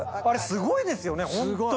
あれすごいですよね。